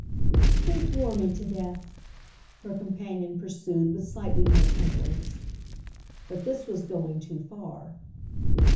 "They bore me to death," her companion pursued with slightly more temperance. But this was going too far.